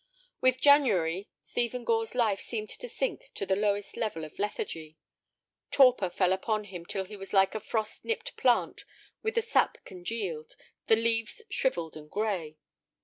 With January, Stephen Gore's life seemed to sink to the lowest level of lethargy. Torpor fell upon him till he was like a frost nipped plant with the sap congealed, the leaves shrivelled and gray.